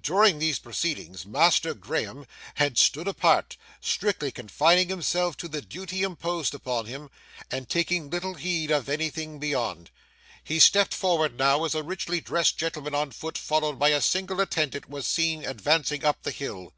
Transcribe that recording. During these proceedings, Master Graham had stood apart, strictly confining himself to the duty imposed upon him, and taking little heed of anything beyond. He stepped forward now as a richly dressed gentleman on foot, followed by a single attendant, was seen advancing up the hill.